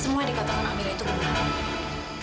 semua yang dikatakan amira itu bukan